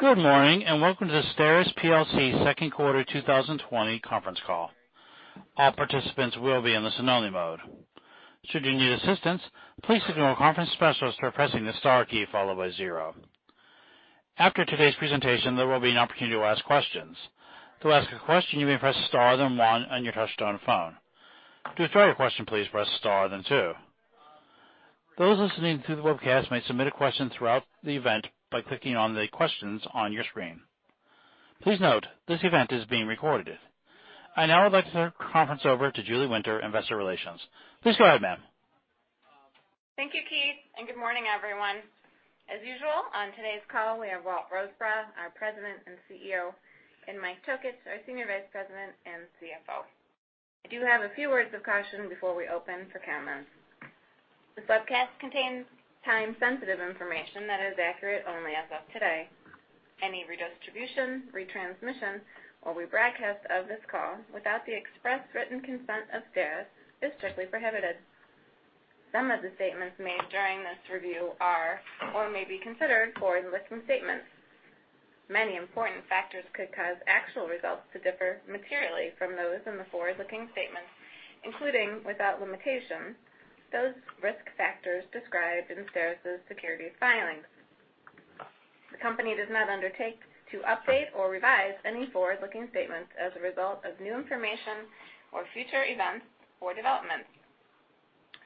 Good morning and welcome to the STERIS Plc second quarter 2020 conference call. All participants will be in listen-only mode. Should you need assistance, please signal a conference specialist by pressing the star key followed by zero. After today's presentation, there will be an opportunity to ask questions. To ask a question, you may press star then one on your touch-tone phone. To start your question, please press star then two. Those listening through the webcast may submit a question throughout the event by clicking on the questions on your screen. Please note this event is being recorded. I now would like to turn the conference over to Julie Winter, Investor Relations. Please go ahead, ma'am. Thank you, Keith, and good morning, everyone. As usual, on today's call, we have Walt Rosebrough, our President and CEO, and Mike Tokich, our Senior Vice President and CFO. I do have a few words of caution before we open for cameras. This webcast contains time-sensitive information that is accurate only as of today. Any redistribution, retransmission, or rebroadcast of this call without the express written consent of STERIS is strictly prohibited. Some of the statements made during this review are or may be considered forward-looking statements. Many important factors could cause actual results to differ materially from those in the forward-looking statements, including without limitation, those risk factors described in STERIS's securities filings. The company does not undertake to update or revise any forward-looking statements as a result of new information or future events or developments.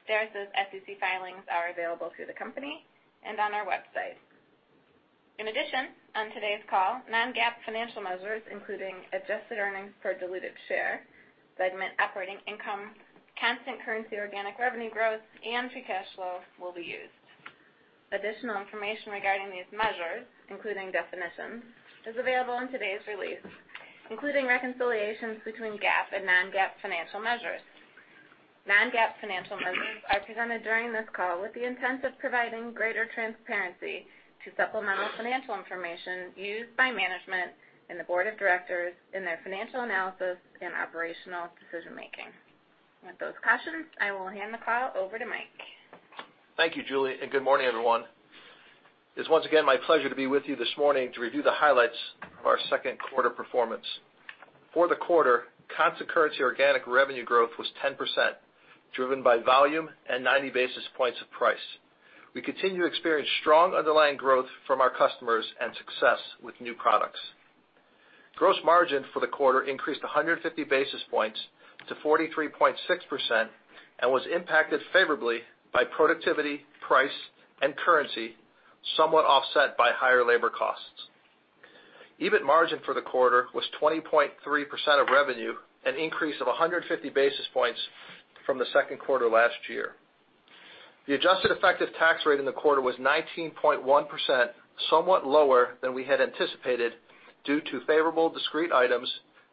STERIS's SEC filings are available through the company and on our website. In addition, on today's call, non-GAAP financial measures, including adjusted earnings per diluted share, segment operating income, constant currency organic revenue growth, and free cash flow, will be used. Additional information regarding these measures, including definitions, is available in today's release, including reconciliations between GAAP and non-GAAP financial measures. Non-GAAP financial measures are presented during this call with the intent of providing greater transparency to supplemental financial information used by management and the board of directors in their financial analysis and operational decision-making. With those cautions, I will hand the call over to Mike. Thank you, Julie, and good morning, everyone. It's once again my pleasure to be with you this morning to review the highlights of our second quarter performance. For the quarter, constant currency organic revenue growth was 10%, driven by volume and 90 basis points of price. We continue to experience strong underlying growth from our customers and success with new products. Gross margin for the quarter increased 150 basis points to 43.6% and was impacted favorably by productivity, price, and currency, somewhat offset by higher labor costs. EBIT margin for the quarter was 20.3% of revenue, an increase of 150 basis points from the second quarter last year. The adjusted effective tax rate in the quarter was 19.1%, somewhat lower than we had anticipated due to favorable discrete items,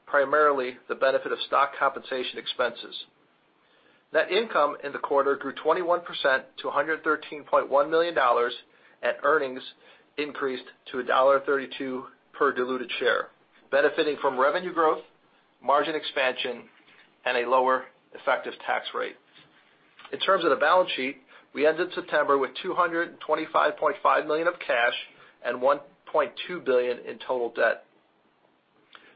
primarily the benefit of stock compensation expenses. Net income in the quarter grew 21% to $113.1 million, and earnings increased to $1.32 per diluted share, benefiting from revenue growth, margin expansion, and a lower effective tax rate. In terms of the balance sheet, we ended September with $225.5 million of cash and $1.2 billion in total debt.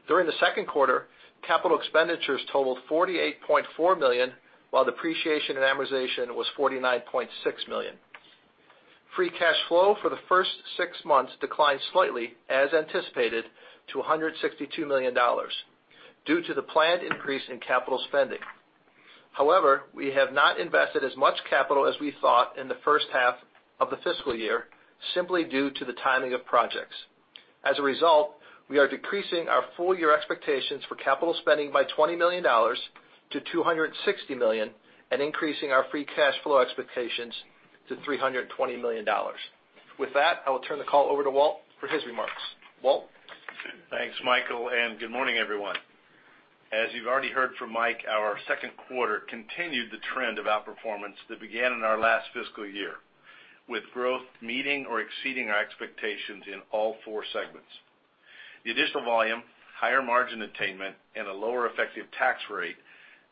During the second quarter, capital expenditures totaled $48.4 million, while depreciation and amortization was $49.6 million. Free cash flow for the first six months declined slightly, as anticipated, to $162 million due to the planned increase in capital spending. However, we have not invested as much capital as we thought in the first half of the fiscal year, simply due to the timing of projects. As a result, we are decreasing our full-year expectations for capital spending by $20 million to $260 million and increasing our free cash flow expectations to $320 million. With that, I will turn the call over to Walt for his remarks. Walt. Thanks, Michael, and good morning, everyone. As you've already heard from Mike, our second quarter continued the trend of outperformance that began in our last fiscal year, with growth meeting or exceeding our expectations in all four segments. The additional volume, higher margin attainment, and a lower effective tax rate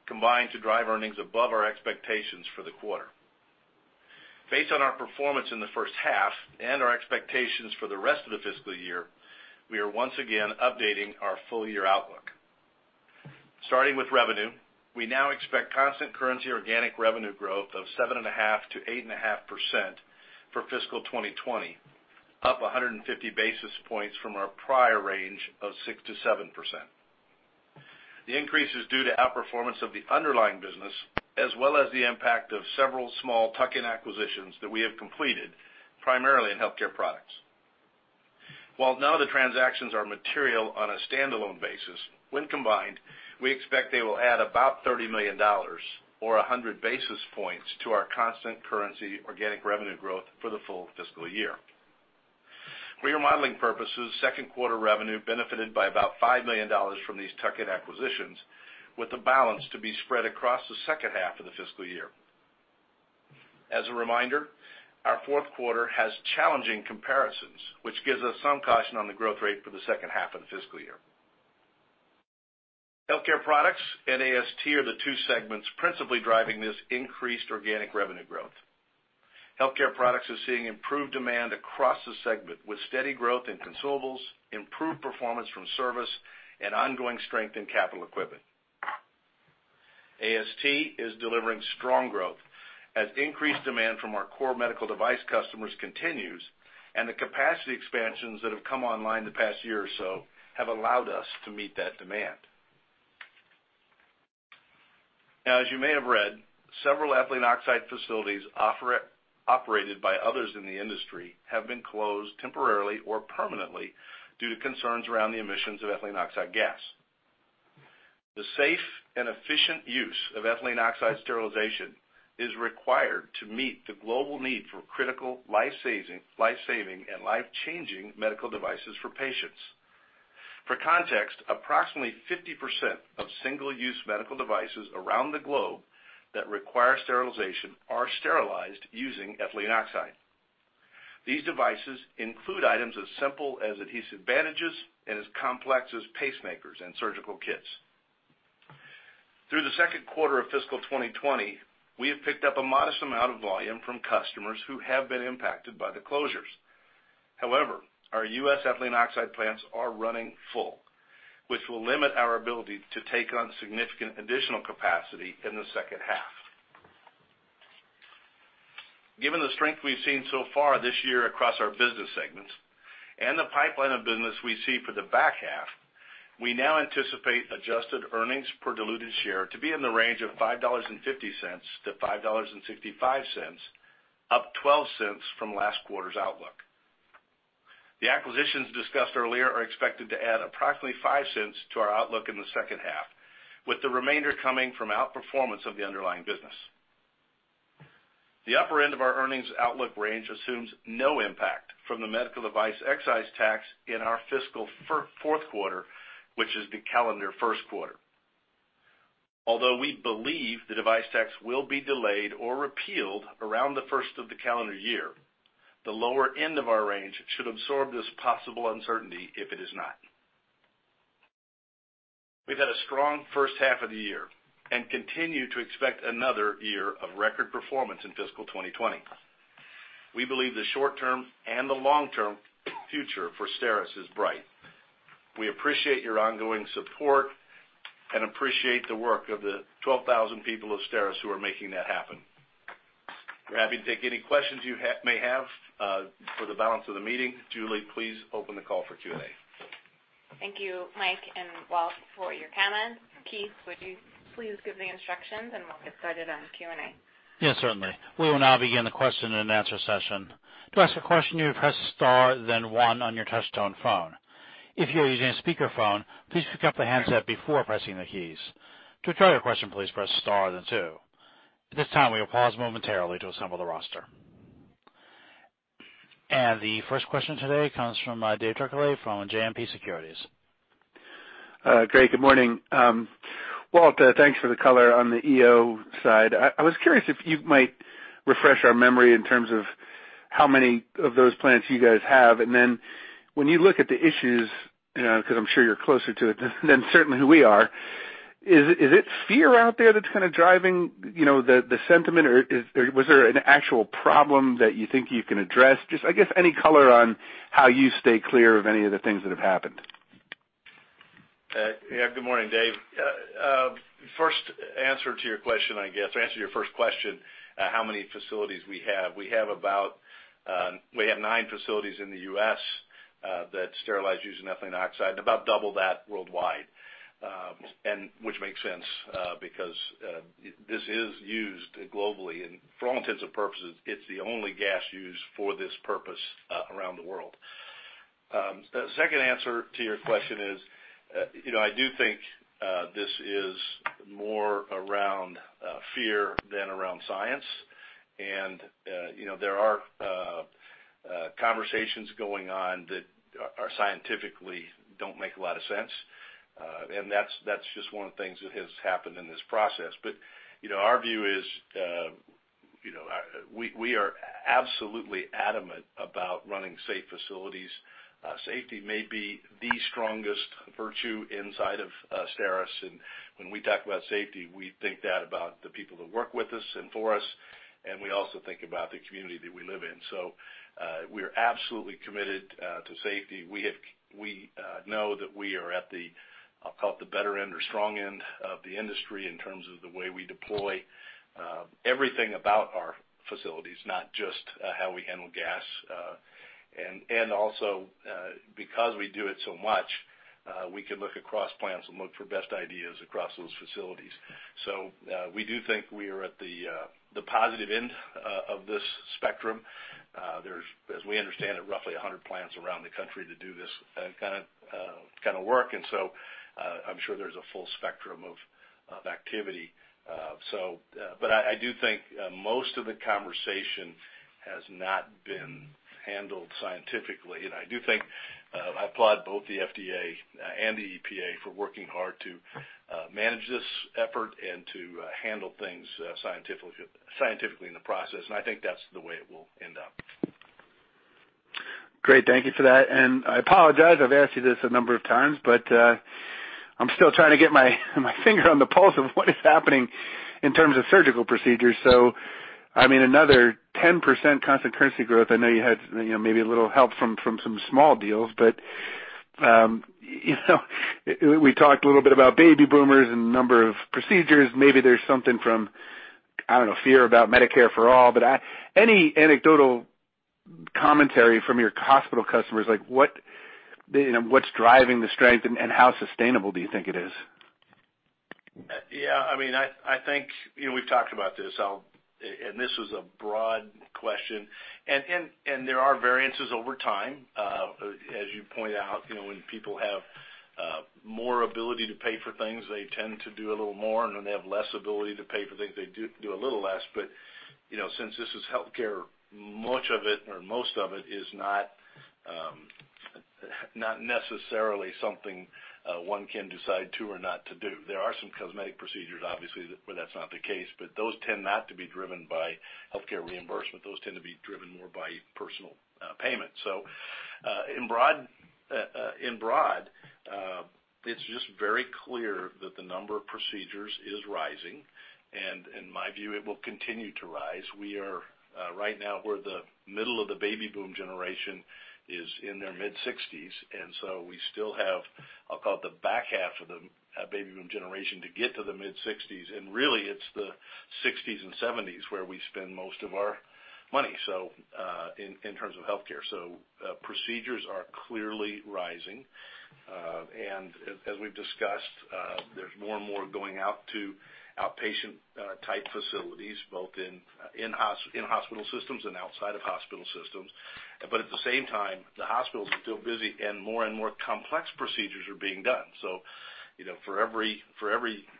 combined to drive earnings above our expectations for the quarter. Based on our performance in the first half and our expectations for the rest of the fiscal year, we are once again updating our full-year outlook. Starting with revenue, we now expect constant currency organic revenue growth of 7.5%-8.5% for fiscal 2020, up 150 basis points from our prior range of 6%-7%. The increase is due to outperformance of the underlying business, as well as the impact of several small tuck-in acquisitions that we have completed, primarily in healthcare products. While none of the transactions are material on a standalone basis, when combined, we expect they will add about $30 million or 100 basis points to our constant currency organic revenue growth for the full fiscal year. For your modeling purposes, second quarter revenue benefited by about $5 million from these tuck-in acquisitions, with the balance to be spread across the second half of the fiscal year. As a reminder, our fourth quarter has challenging comparisons, which gives us some caution on the growth rate for the second half of the fiscal year. Healthcare Products and AST are the two segments principally driving this increased organic revenue growth. Healthcare Products are seeing improved demand across the segment, with steady growth in consumables, improved performance from service, and ongoing strength in capital equipment. AST is delivering strong growth as increased demand from our core medical device customers continues, and the capacity expansions that have come online the past year or so have allowed us to meet that demand. Now, as you may have read, several ethylene oxide facilities operated by others in the industry have been closed temporarily or permanently due to concerns around the emissions of ethylene oxide gas. The safe and efficient use of ethylene oxide sterilization is required to meet the global need for critical life-saving and life-changing medical devices for patients. For context, approximately 50% of single-use medical devices around the globe that require sterilization are sterilized using ethylene oxide. These devices include items as simple as adhesive bandages and as complex as pacemakers and surgical kits. Through the second quarter of fiscal 2020, we have picked up a modest amount of volume from customers who have been impacted by the closures. However, our U.S. ethylene oxide plants are running full, which will limit our ability to take on significant additional capacity in the second half. Given the strength we've seen so far this year across our business segments and the pipeline of business we see for the back half, we now anticipate adjusted earnings per diluted share to be in the range of $5.50 to $5.65, up $0.12 from last quarter's outlook. The acquisitions discussed earlier are expected to add approximately $0.05 to our outlook in the second half, with the remainder coming from outperformance of the underlying business. The upper end of our earnings outlook range assumes no impact from the medical device excise tax in our fiscal fourth quarter, which is the calendar first quarter. Although we believe the device tax will be delayed or repealed around the first of the calendar year, the lower end of our range should absorb this possible uncertainty if it is not. We've had a strong first half of the year and continue to expect another year of record performance in fiscal 2020. We believe the short-term and the long-term future for STERIS is bright. We appreciate your ongoing support and appreciate the work of the 12,000 people of STERIS who are making that happen. We're happy to take any questions you may have for the balance of the meeting. Julie, please open the call for Q&A. Thank you, Mike and Walt, for your comments. Keith, would you please give the instructions, and we'll get started on Q&A. Yes, certainly. We will now begin the question and answer session. To ask a question, you press star then one on your touch-tone phone. If you're using a speakerphone, please pick up the handset before pressing the keys. To withdraw your question, please press star then two. At this time, we will pause momentarily to assemble the roster, and the first question today comes from Dave Turkaly from JMP Securities. Great. Good morning. Walt, thanks for the color on the EO side. I was curious if you might refresh our memory in terms of how many of those plants you guys have. And then when you look at the issues, because I'm sure you're closer to it than certainly we are, is it fear out there that's kind of driving the sentiment, or was there an actual problem that you think you can address? Just, I guess, any color on how you stay clear of any of the things that have happened. Yeah. Good morning, Dave. First answer to your question, I guess, or answer to your first question, how many facilities we have. We have nine facilities in the U.S. that sterilize using ethylene oxide, about double that worldwide, which makes sense because this is used globally. And for all intents and purposes, it's the only gas used for this purpose around the world. The second answer to your question is I do think this is more around fear than around science. And there are conversations going on that scientifically don't make a lot of sense. And that's just one of the things that has happened in this process. But our view is we are absolutely adamant about running safe facilities. Safety may be the strongest virtue inside of STERIS. When we talk about safety, we think that about the people that work with us and for us, and we also think about the community that we live in. We're absolutely committed to safety. We know that we are at the, I'll call it, the better end or strong end of the industry in terms of the way we deploy everything about our facilities, not just how we handle gas. And also, because we do it so much, we can look across plants and look for best ideas across those facilities. We do think we are at the positive end of this spectrum. There's, as we understand it, roughly 100 plants around the country to do this kind of work. I'm sure there's a full spectrum of activity. I do think most of the conversation has not been handled scientifically. I applaud both the FDA and the EPA for working hard to manage this effort and to handle things scientifically in the process. I think that's the way it will end up. Great. Thank you for that. And I apologize. I've asked you this a number of times, but I'm still trying to get my finger on the pulse of what is happening in terms of surgical procedures. So, I mean, another 10% constant currency growth. I know you had maybe a little help from some small deals, but we talked a little bit about baby boomers and a number of procedures. Maybe there's something from, I don't know, fear about Medicare for All. But any anecdotal commentary from your hospital customers? What's driving the strength, and how sustainable do you think it is? Yeah. I mean, I think we've talked about this, and this was a broad question. And there are variances over time. As you point out, when people have more ability to pay for things, they tend to do a little more. And when they have less ability to pay for things, they do a little less. But since this is healthcare, much of it, or most of it, is not necessarily something one can decide to or not to do. There are some cosmetic procedures, obviously, where that's not the case, but those tend not to be driven by healthcare reimbursement. Those tend to be driven more by personal payment. So, in broad, it's just very clear that the number of procedures is rising. And in my view, it will continue to rise. Right now, we're the middle of the baby boom generation is in their mid-60s. We still have, I'll call it, the back half of the Baby Boom generation to get to the mid-60s. And really, it's the 60s and 70s where we spend most of our money in terms of healthcare. So procedures are clearly rising. And as we've discussed, there's more and more going out to outpatient-type facilities, both in hospital systems and outside of hospital systems. But at the same time, the hospitals are still busy, and more and more complex procedures are being done. So for every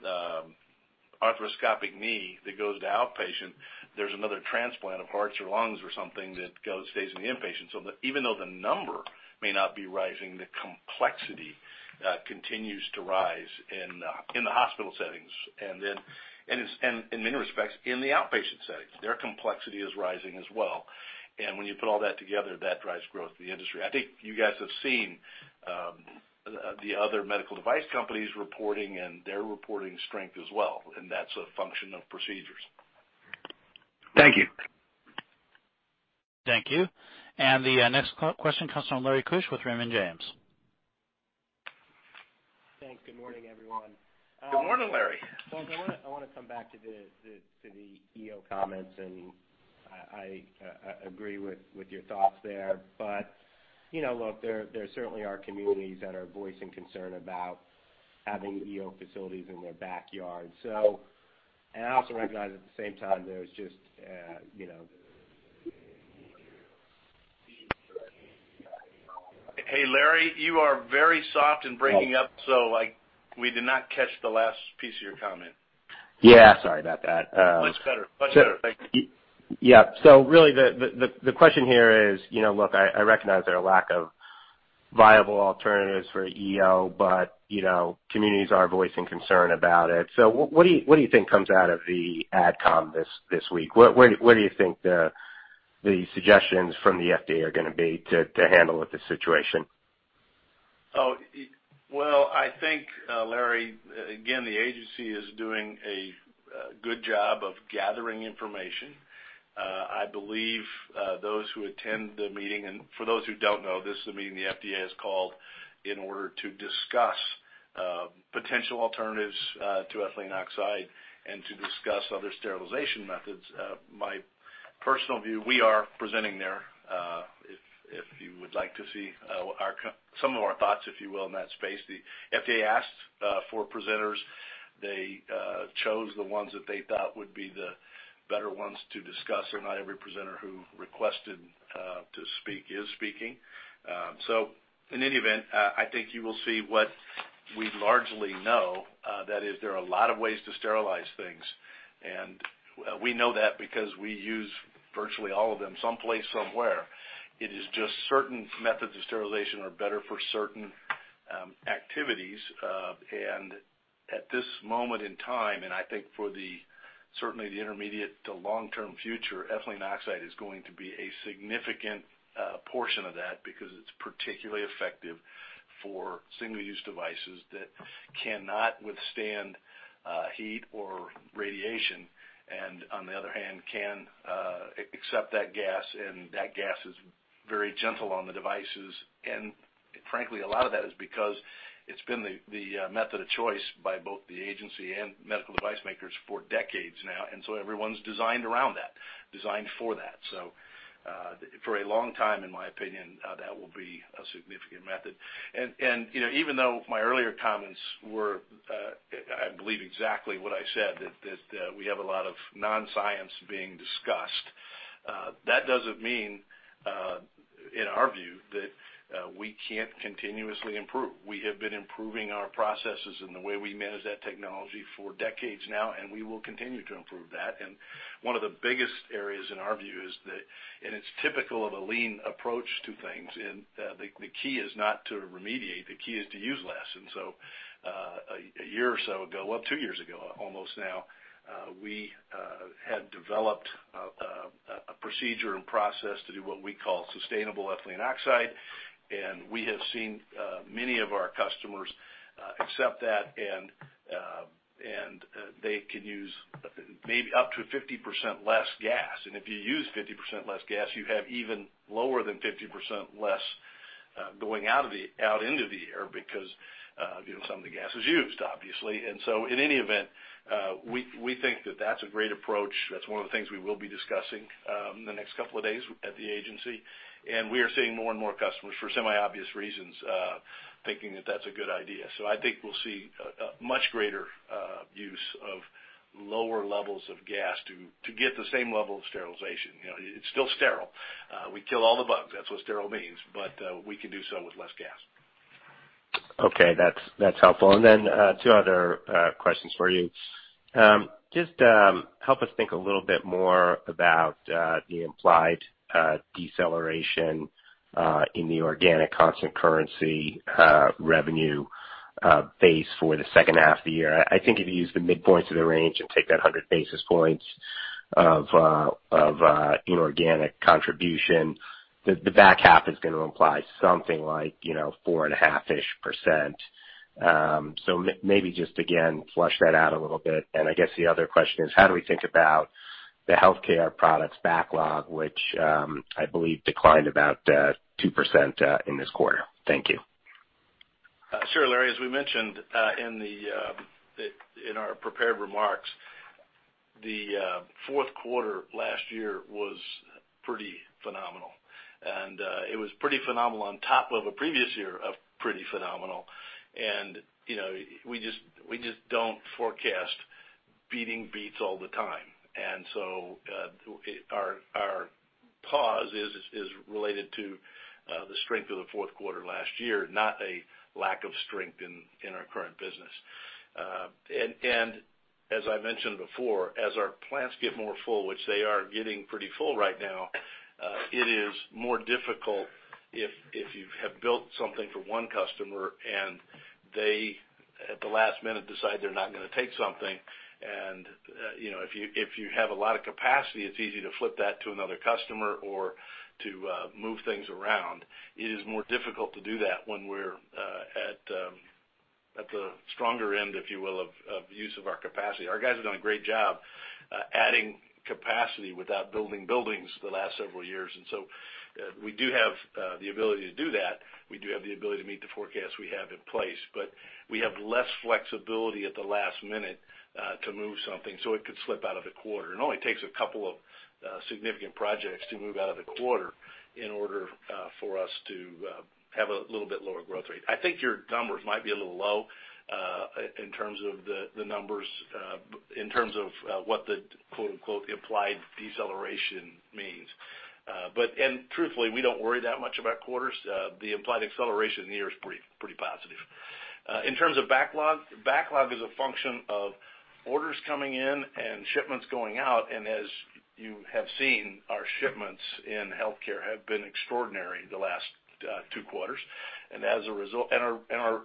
arthroscopic knee that goes to outpatient, there's another transplant of hearts or lungs or something that stays in the inpatient. So even though the number may not be rising, the complexity continues to rise in the hospital settings. And in many respects, in the outpatient setting, their complexity is rising as well. When you put all that together, that drives growth in the industry. I think you guys have seen the other medical device companies reporting, and they're reporting strength as well. That's a function of procedures. Thank you. Thank you. The next question comes from Larry Keusch with Raymond James. Thanks. Good morning, everyone. Good morning, Larry. Well, I want to come back to the EO comments. And I agree with your thoughts there. But look, there certainly are communities that are voicing concern about having EO facilities in their backyard. And I also recognize at the same time, there's just. Hey, Larry, you are very soft and breaking up, so we did not catch the last piece of your comment. Yeah. Sorry about that. Much better. Much better. Thank you. Yeah, so really, the question here is, look, I recognize there are lack of viable alternatives for EO, but communities are voicing concern about it, so what do you think comes out of the AdCom this week? What do you think the suggestions from the FDA are going to be to handle with this situation? Oh, well, I think, Larry, again, the agency is doing a good job of gathering information. I believe those who attend the meeting, and for those who don't know, this is the meeting the FDA has called in order to discuss potential alternatives to ethylene oxide and to discuss other sterilization methods. My personal view, we are presenting there. If you would like to see some of our thoughts, if you will, in that space. The FDA asked for presenters. They chose the ones that they thought would be the better ones to discuss. And not every presenter who requested to speak is speaking. So in any event, I think you will see what we largely know. That is, there are a lot of ways to sterilize things. And we know that because we use virtually all of them someplace, somewhere. It is just certain methods of sterilization are better for certain activities. And at this moment in time, and I think for certainly the intermediate to long-term future, ethylene oxide is going to be a significant portion of that because it's particularly effective for single-use devices that cannot withstand heat or radiation and, on the other hand, can accept that gas. And that gas is very gentle on the devices. And frankly, a lot of that is because it's been the method of choice by both the agency and medical device makers for decades now. And so everyone's designed around that, designed for that. So for a long time, in my opinion, that will be a significant method. Even though my earlier comments were, I believe, exactly what I said, that we have a lot of non-science being discussed, that doesn't mean, in our view, that we can't continuously improve. We have been improving our processes and the way we manage that technology for decades now, and we will continue to improve that. One of the biggest areas, in our view, is that, and it's typical of a lean approach to things, and the key is not to remediate. The key is to use less. So a year or so ago, well, two years ago almost now, we had developed a procedure and process to do what we call sustainable ethylene oxide. We have seen many of our customers accept that, and they can use maybe up to 50% less gas. And if you use 50% less gas, you have even lower than 50% less going out into the air because some of the gas is used, obviously. And so in any event, we think that that's a great approach. That's one of the things we will be discussing in the next couple of days at the agency. And we are seeing more and more customers for semi-obvious reasons thinking that that's a good idea. So I think we'll see a much greater use of lower levels of gas to get the same level of sterilization. It's still sterile. We kill all the bugs. That's what sterile means. But we can do so with less gas. Okay. That's helpful. And then two other questions for you. Just help us think a little bit more about the implied deceleration in the organic constant currency revenue base for the second half of the year. I think if you use the midpoint to the range and take that 100 basis points of inorganic contribution, the back half is going to imply something like 4.5-ish%. So maybe just, again, flesh that out a little bit. And I guess the other question is, how do we think about the healthcare products backlog, which I believe declined about 2% in this quarter? Thank you. Sure, Larry. As we mentioned in our prepared remarks, the fourth quarter last year was pretty phenomenal. And it was pretty phenomenal on top of a previous year of pretty phenomenal. And we just don't forecast beating beats all the time. And so our pause is related to the strength of the fourth quarter last year, not a lack of strength in our current business. And as I mentioned before, as our plants get more full, which they are getting pretty full right now, it is more difficult if you have built something for one customer and they, at the last minute, decide they're not going to take something. And if you have a lot of capacity, it's easy to flip that to another customer or to move things around. It is more difficult to do that when we're at the stronger end, if you will, of use of our capacity. Our guys have done a great job adding capacity without building buildings the last several years. And so we do have the ability to do that. We do have the ability to meet the forecast we have in place. But we have less flexibility at the last minute to move something so it could slip out of the quarter. It only takes a couple of significant projects to move out of the quarter in order for us to have a little bit lower growth rate. I think your numbers might be a little low in terms of the numbers, in terms of what the "implied deceleration" means. And truthfully, we don't worry that much about quarters. The implied acceleration in the year is pretty positive. In terms of backlog, backlog is a function of orders coming in and shipments going out, and as you have seen, our shipments in healthcare have been extraordinary the last two quarters, and as a result, our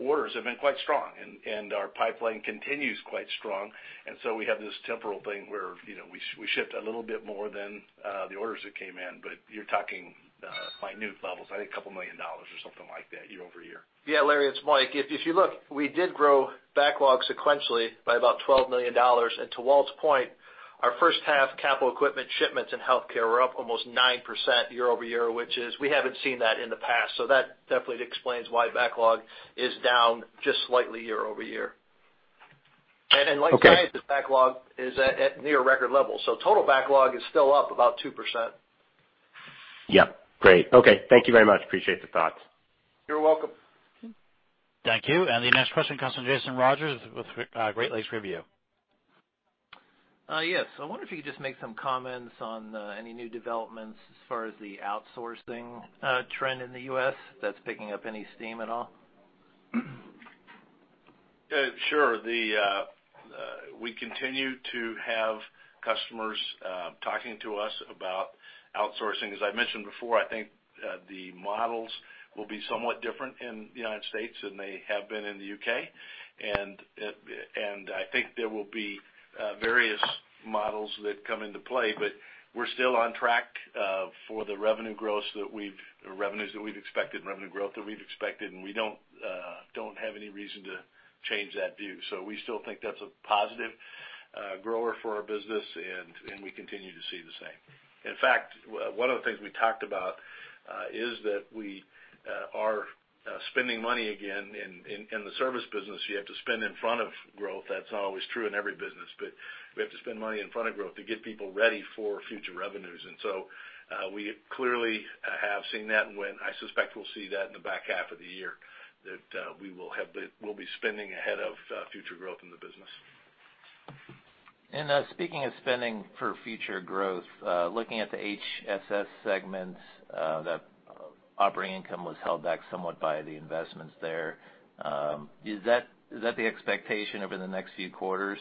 orders have been quite strong, and our pipeline continues quite strong, and so we have this temporal thing where we shipped a little bit more than the orders that came in, but you're talking minute levels. I think $2 million or something like that year over year. Yeah, Larry, it's Mike. If you look, we did grow backlog sequentially by about $12 million. And to Walt's point, our first half capital equipment shipments in healthcare were up almost 9% year over year, which is we haven't seen that in the past. So that definitely explains why backlog is down just slightly year over year. And like I said, backlog is at near record levels. So total backlog is still up about 2%. Yep. Great. Okay. Thank you very much. Appreciate the thoughts. You're welcome. Thank you, and the next question comes from Jason Rodgers with Great Lakes Review. Yes. I wonder if you could just make some comments on any new developments as far as the outsourcing trend in the U.S. that's picking up any steam at all? Sure. We continue to have customers talking to us about outsourcing. As I mentioned before, I think the models will be somewhat different in the United States than they have been in the U.K.. I think there will be various models that come into play. But we're still on track for the revenue growth that we've expected. We don't have any reason to change that view. We still think that's a positive grower for our business. We continue to see the same. In fact, one of the things we talked about is that we are spending money again. In the service business, you have to spend in front of growth. That's not always true in every business. But we have to spend money in front of growth to get people ready for future revenues. And so we clearly have seen that. And I suspect we'll see that in the back half of the year that we will be spending ahead of future growth in the business. Speaking of spending for future growth, looking at the HSS segment, that operating income was held back somewhat by the investments there. Is that the expectation over the next few quarters?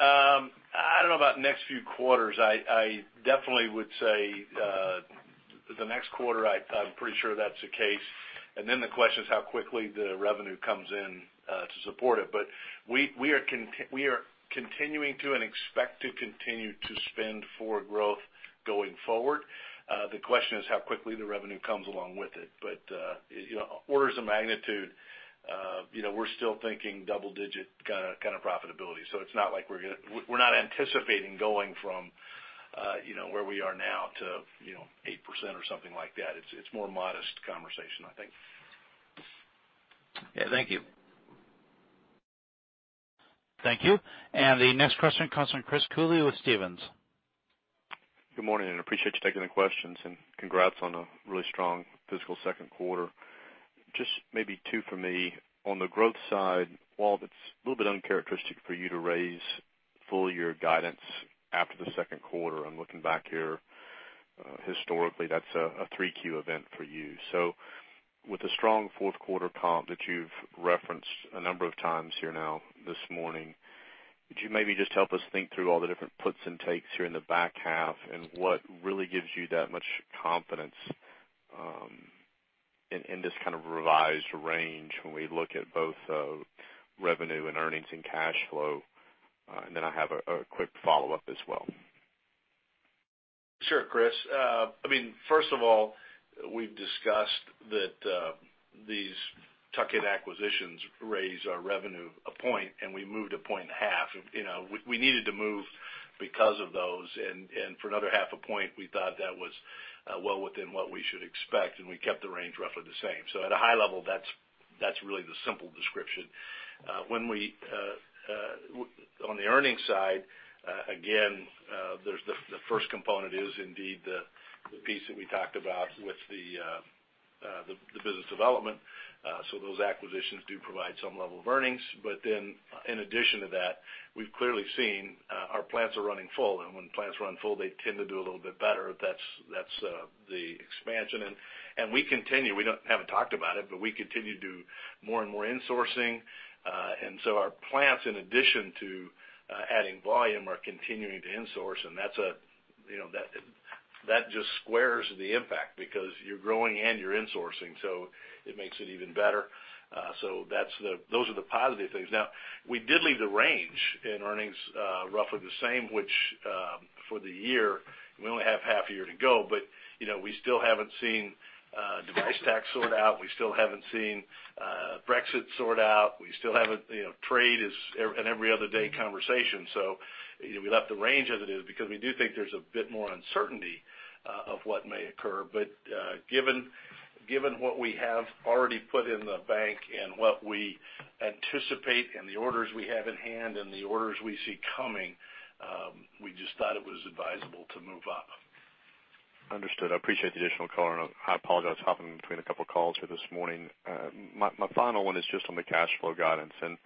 I don't know about next few quarters. I definitely would say the next quarter, I'm pretty sure that's the case. And then the question is how quickly the revenue comes in to support it. But we are continuing to and expect to continue to spend for growth going forward. The question is how quickly the revenue comes along with it. But orders of magnitude, we're still thinking double-digit kind of profitability. So it's not like we're going to. We're not anticipating going from where we are now to 8% or something like that. It's more modest conversation, I think. Yeah. Thank you. Thank you. And the next question comes from Chris Cooley with Stephens. Good morning. I appreciate you taking the questions. And congrats on a really strong fiscal second quarter. Just maybe two for me. On the growth side, while it's a little bit uncharacteristic for you to raise full-year guidance after the second quarter, I'm looking back here. Historically, that's a three-Q event for you. So with a strong fourth quarter comp that you've referenced a number of times here now this morning, could you maybe just help us think through all the different puts and takes here in the back half and what really gives you that much confidence in this kind of revised range when we look at both revenue and earnings and cash flow? And then I have a quick follow-up as well. Sure, Chris. I mean, first of all, we've discussed that these tuck-in acquisitions raise our revenue a point, and we moved a point and a half. We needed to move because of those. And for another half a point, we thought that was well within what we should expect. And we kept the range roughly the same. So at a high level, that's really the simple description. On the earnings side, again, the first component is indeed the piece that we talked about with the business development. So those acquisitions do provide some level of earnings. But then in addition to that, we've clearly seen our plants are running full. And when plants run full, they tend to do a little bit better. That's the expansion. And we continue. We haven't talked about it, but we continue to do more and more insourcing. And so our plants, in addition to adding volume, are continuing to insource. And that just squares the impact because you're growing and you're insourcing. So it makes it even better. So those are the positive things. Now, we did leave the range in earnings roughly the same, which for the year, we only have half a year to go. But we still haven't seen device tax sort out. We still haven't seen Brexit sort out. We still haven't. Trade is an every other day conversation. So we left the range as it is because we do think there's a bit more uncertainty of what may occur. But given what we have already put in the bank and what we anticipate and the orders we have in hand and the orders we see coming, we just thought it was advisable to move up. Understood. I appreciate the additional call, and I apologize for hopping between a couple of calls here this morning. My final one is just on the cash flow guidance, and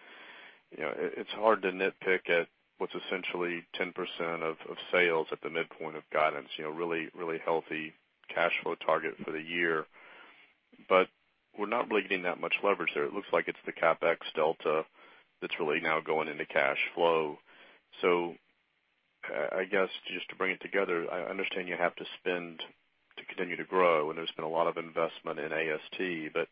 it's hard to nitpick at what's essentially 10% of sales at the midpoint of guidance, really healthy cash flow target for the year, but we're not really getting that much leverage there. It looks like it's the CapEx delta that's really now going into cash flow, so I guess just to bring it together, I understand you have to spend to continue to grow, and there's been a lot of investment in AST, but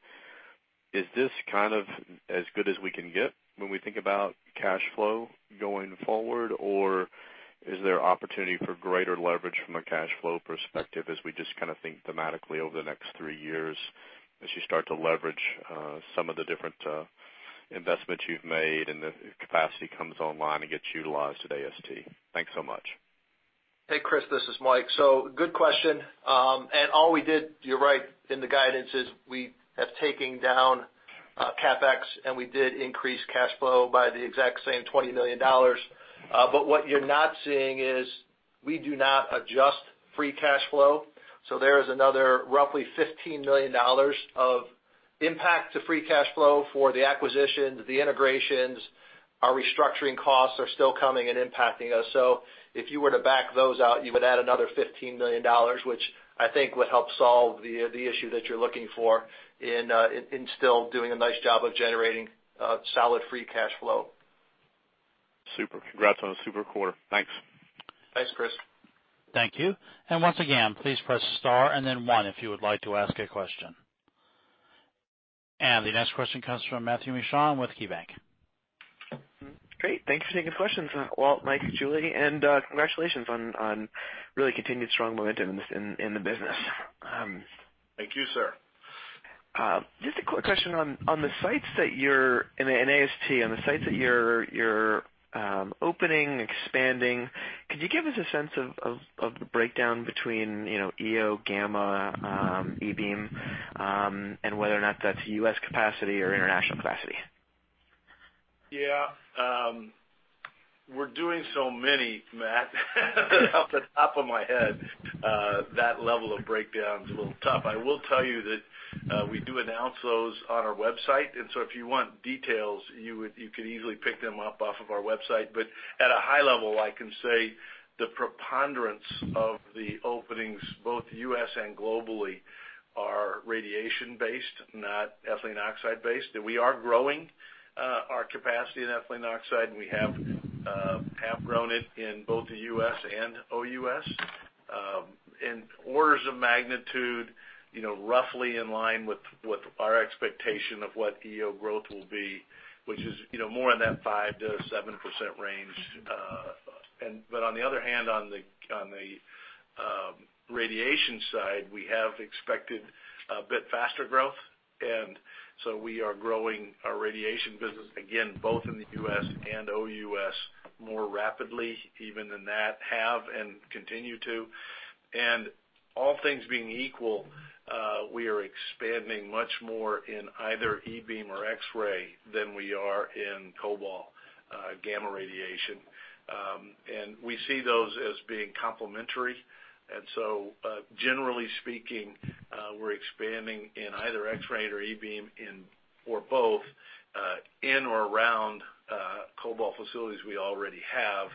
is this kind of as good as we can get when we think about cash flow going forward? Or is there opportunity for greater leverage from a cash flow perspective as we just kind of think thematically over the next three years as you start to leverage some of the different investments you've made and the capacity comes online and gets utilized at AST? Thanks so much. Hey, Chris. This is Mike. So, good question. And all we did, you're right, in the guidance is we have taken down CapEx. And we did increase cash flow by the exact same $20 million. But what you're not seeing is we do not adjust free cash flow. So there is another roughly $15 million of impact to free cash flow for the acquisitions, the integrations. Our restructuring costs are still coming and impacting us. So if you were to back those out, you would add another $15 million, which I think would help solve the issue that you're looking for in still doing a nice job of generating solid free cash flow. Super. Congrats on the super quarter. Thanks. Thanks, Chris. Thank you. And once again, please press star and then one if you would like to ask a question. And the next question comes from Matthew Mishan with KeyBanc. Great. Thank you for taking the questions, Walt, Mike, Julie. And congratulations on really continued strong momentum in the business. Thank you, sir. Just a quick question on the sites that you're in AST, on the sites that you're opening, expanding, could you give us a sense of the breakdown between EO, Gamma, e-beam, and whether or not that's U.S. capacity or international capacity? Yeah. We're doing so many, Matt, off the top of my head, that level of breakdown is a little tough. I will tell you that we do announce those on our website. And so if you want details, you could easily pick them up off of our website. But at a high level, I can say the preponderance of the openings, both U.S. and globally, are radiation-based, not ethylene oxide-based. And we are growing our capacity in ethylene oxide. And we have grown it in both the U.S. and OUS. And orders of magnitude, roughly in line with our expectation of what EO growth will be, which is more in that 5%-7% range. But on the other hand, on the radiation side, we have expected a bit faster growth. And so we are growing our radiation business, again, both in the U.S. and OUS, more rapidly, even than that, have and continue to. And all things being equal, we are expanding much more in either eBeam or X-ray than we are in cobalt gamma radiation. And we see those as being complementary. And so generally speaking, we're expanding in either X-ray or eBeam or both in or around cobalt facilities we already have,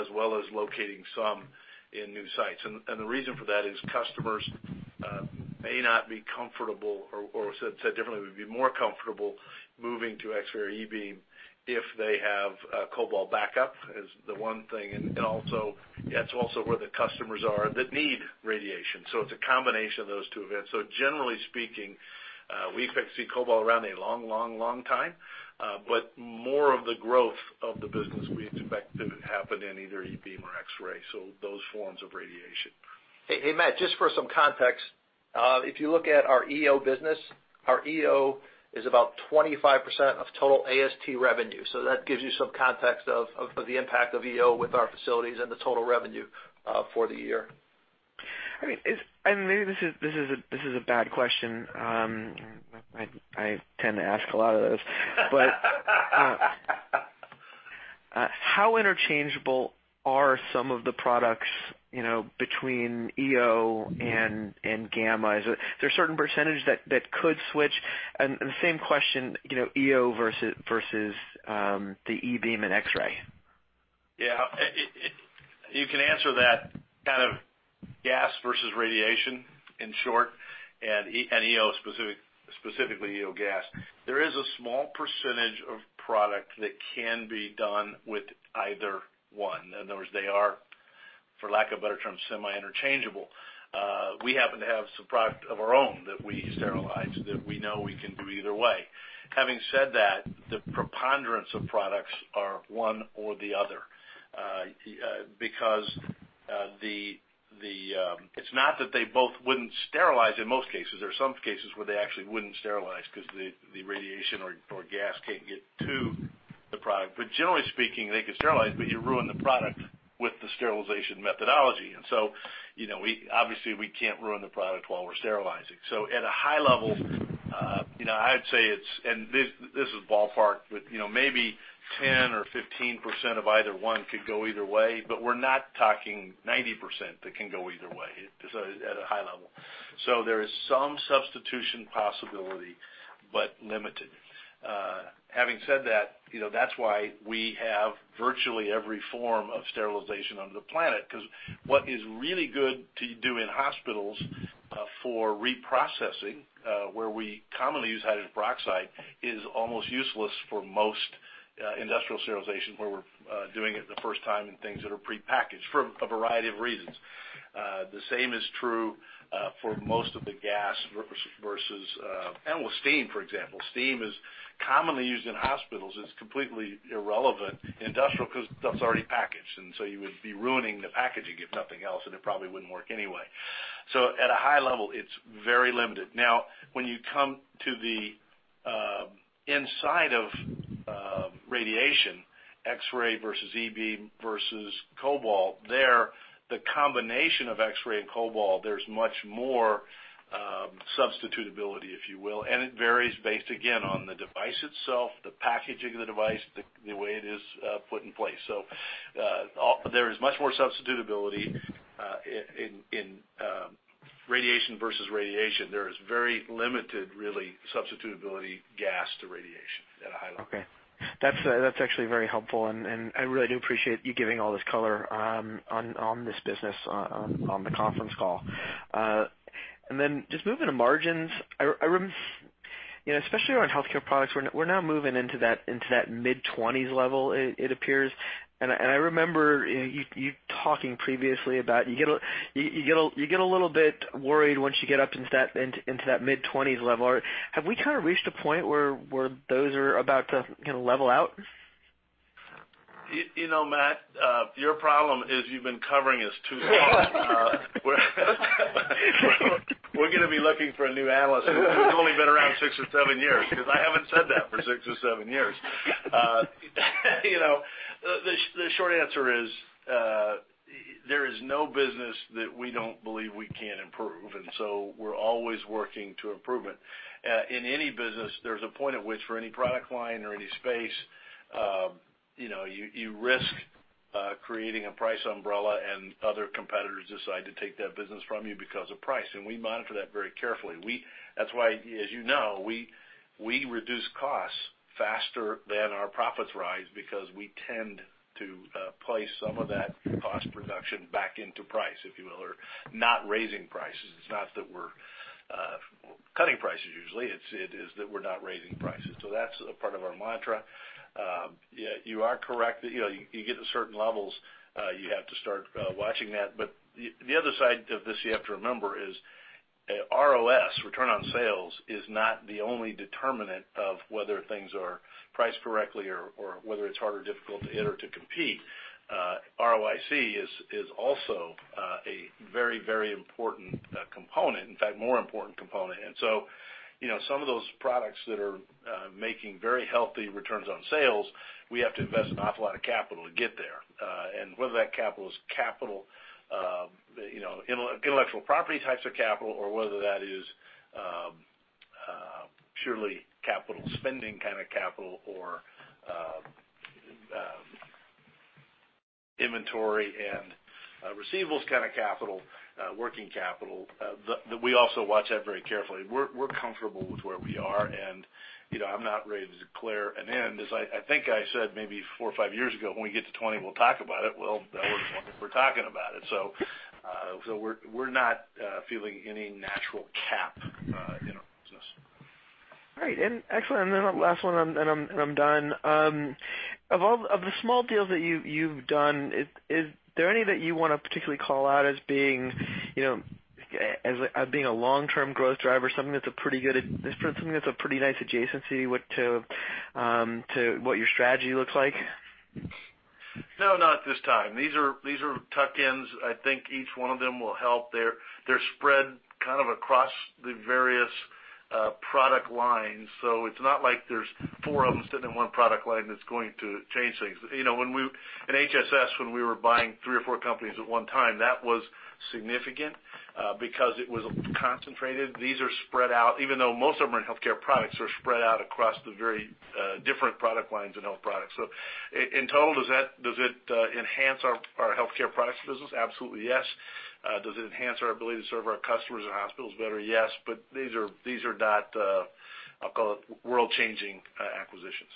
as well as locating some in new sites. And the reason for that is customers may not be comfortable or, said differently, would be more comfortable moving to X-ray or eBeam if they have cobalt backup as the one thing. And that's also where the customers are that need radiation. So it's a combination of those two events. So generally speaking, we expect to see cobalt around a long, long, long time. But more of the growth of the business we expect to happen in either eBeam or X-ray, so those forms of radiation. Hey, Matt, just for some context, if you look at our EO business, our EO is about 25% of total AST revenue. So that gives you some context of the impact of EO with our facilities and the total revenue for the year. I mean, this is a bad question. I tend to ask a lot of those. But how interchangeable are some of the products between EO and gamma? Is there a certain percentage that could switch? And the same question, EO versus the eBeam and X-ray. Yeah. You can answer that kind of gas versus radiation in short and specifically EO gas. There is a small percentage of product that can be done with either one. In other words, they are, for lack of a better term, semi-interchangeable. We happen to have some product of our own that we sterilize that we know we can do either way. Having said that, the preponderance of products are one or the other because it's not that they both wouldn't sterilize in most cases. There are some cases where they actually wouldn't sterilize because the radiation or gas can't get to the product. But generally speaking, they could sterilize, but you ruin the product with the sterilization methodology. And so obviously, we can't ruin the product while we're sterilizing. So at a high level, I'd say it's, and this is ballpark, but maybe 10% or 15% of either one could go either way. But we're not talking 90% that can go either way at a high level. So there is some substitution possibility, but limited. Having said that, that's why we have virtually every form of sterilization on the planet because what is really good to do in hospitals for reprocessing, where we commonly use hydrogen peroxide, is almost useless for most industrial sterilization where we're doing it the first time in things that are prepackaged for a variety of reasons. The same is true for most of the gas versus, and with steam, for example. Steam is commonly used in hospitals. It's completely irrelevant industrial because stuff's already packaged. And so you would be ruining the packaging if nothing else, and it probably wouldn't work anyway. So at a high level, it's very limited. Now, when you come to the inside of radiation, X-ray versus eBeam versus cobalt, there, the combination of X-ray and cobalt, there's much more substitutability, if you will. And it varies based, again, on the device itself, the packaging of the device, the way it is put in place. So there is much more substitutability in radiation versus radiation. There is very limited, really, substitutability gas to radiation at a high level. Okay. That's actually very helpful, and I really do appreciate you giving all this color on this business on the conference call, and then just moving to margins, especially around Healthcare Products, we're now moving into that mid-20s level, it appears, and I remember you talking previously about you get a little bit worried once you get up into that mid-20s level. Have we kind of reached a point where those are about to level out? You know, Matt, your problem is you've been covering us too long. We're going to be looking for a new analyst who's only been around six or seven years because I haven't said that for six or seven years. The short answer is there is no business that we don't believe we can improve. And so we're always working to improve it. In any business, there's a point at which for any product line or any space, you risk creating a price umbrella, and other competitors decide to take that business from you because of price. And we monitor that very carefully. That's why, as you know, we reduce costs faster than our profits rise because we tend to place some of that cost reduction back into price, if you will, or not raising prices. It's not that we're cutting prices usually. It is that we're not raising prices. So that's a part of our mantra. You are correct that you get to certain levels, you have to start watching that. But the other side of this you have to remember is ROS, return on sales, is not the only determinant of whether things are priced correctly or whether it's hard or difficult to hit or to compete. ROIC is also a very, very important component, in fact, more important component. And so some of those products that are making very healthy returns on sales, we have to invest an awful lot of capital to get there. And whether that capital is capital, intellectual property types of capital, or whether that is purely capital spending kind of capital or inventory and receivables kind of capital, working capital, we also watch that very carefully. We're comfortable with where we are. And I'm not ready to declare an end. I think I said maybe four or five years ago, "When we get to 20, we'll talk about it." Well, now we're talking about it, so we're not feeling any natural cap in our business. All right. Excellent. Last one, and I'm done. Of the small deals that you've done, is there any that you want to particularly call out as being a long-term growth driver, something that's a pretty nice adjacency to what your strategy looks like? No, not at this time. These are tuck-ins. I think each one of them will help. They're spread kind of across the various product lines. So it's not like there's four of them sitting in one product line that's going to change things. In HSS, when we were buying three or four companies at one time, that was significant because it was concentrated. These are spread out, even though most of them are in healthcare products, are spread out across the very different product lines and healthcare products. So in total, does it enhance our healthcare products business? Absolutely, yes. Does it enhance our ability to serve our customers and hospitals better? Yes. But these are not, I'll call it, world-changing acquisitions.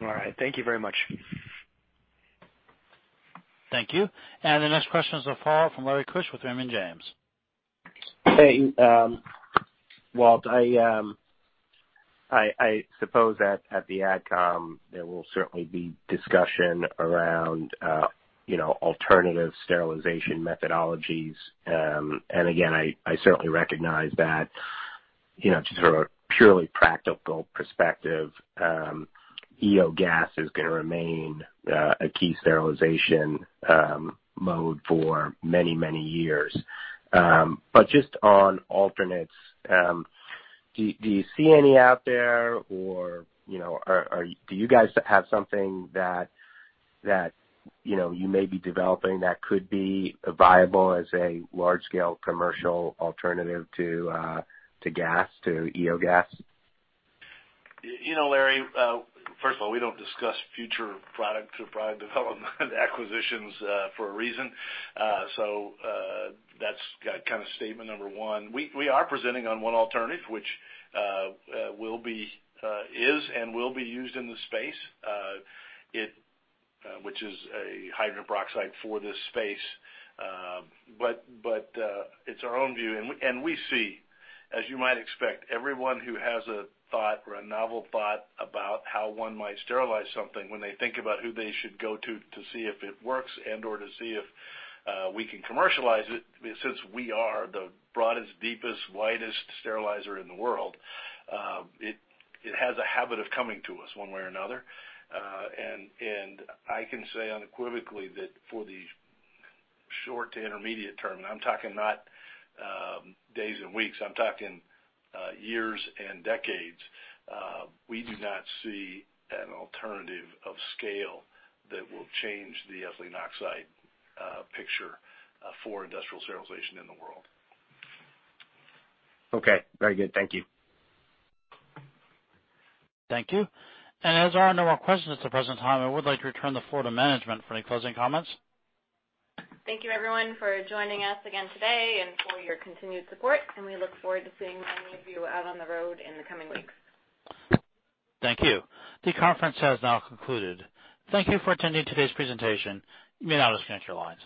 All right. Thank you very much. Thank you. And the next question is a follow-up from Larry Keusch with Raymond James. Hey, Walt, I suppose that at the Ad com, there will certainly be discussion around alternative sterilization methodologies. And again, I certainly recognize that just from a purely practical perspective, EO gas is going to remain a key sterilization mode for many, many years. But just on alternates, do you see any out there? Or do you guys have something that you may be developing that could be viable as a large-scale commercial alternative to gas, to EO gas? Larry, first of all, we don't discuss future product development acquisitions for a reason. So that's kind of statement number one. We are presenting on one alternative, which is and will be used in the space, which is a hydrogen peroxide for this space. But it's our own view. And we see, as you might expect, everyone who has a thought or a novel thought about how one might sterilize something when they think about who they should go to to see if it works and/or to see if we can commercialize it, since we are the broadest, deepest, widest sterilizer in the world, it has a habit of coming to us one way or another. I can say unequivocally that for the short to intermediate term, and I'm talking not days and weeks, I'm talking years and decades, we do not see an alternative of scale that will change the ethylene oxide picture for industrial sterilization in the world. Okay. Very good. Thank you. Thank you. And as there are no more questions at the present time, I would like to return the floor to management for any closing comments. Thank you, everyone, for joining us again today and for your continued support. We look forward to seeing many of you out on the road in the coming weeks. Thank you. The conference has now concluded. Thank you for attending today's presentation. You may now disconnect your lines.